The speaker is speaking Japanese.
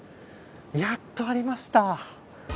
やっとありました！